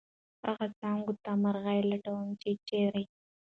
هغه څانګو ته مرغي لټوم ، چېرې؟